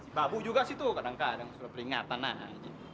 mbak bu juga sih tuh kadang kadang suruh peringatan aja